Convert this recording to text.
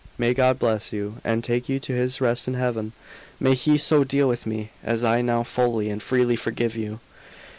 "May God bless you, and take you to His rest in Heaven! May He so deal with me, as I now fully and freely forgive you."